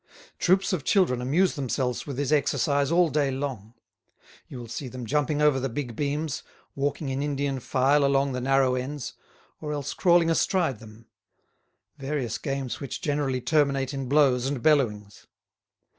Troops of children amuse themselves with this exercise all day long. You will see them jumping over the big beams, walking in Indian file along the narrow ends, or else crawling astride them; various games which generally terminate in blows and bellowings.